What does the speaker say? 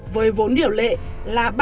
với vốn điều lệ là